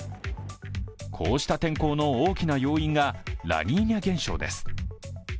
こうした天候の大きな要因がラニーニャ現象です。